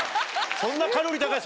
そんなカロリー高い？